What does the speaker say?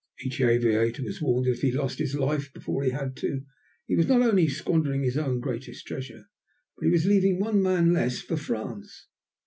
Each aviator was warned that if he lost his life before he had to, he was not only squandering his own greatest treasure, but he was leaving one man less for France.